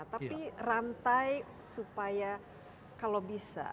tapi rantai supaya kalau bisa